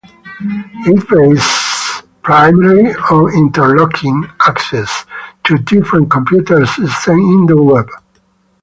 It is based primarily on interlocking access to different computer systems in the web.